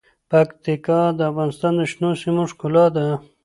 پکتیکا د افغانستان د شنو سیمو ښکلا ده.